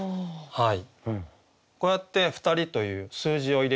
はい。